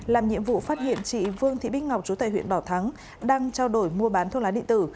làm nhiệm vụ phát hiện chị vương thị bích ngọc chú tài huyện bảo thắng đang trao đổi mua bán thuốc lá điện tử